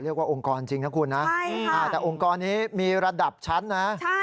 เรียกว่าองค์กรจริงนะคุณนะแต่องค์กรนี้มีระดับชั้นนะใช่ค่ะ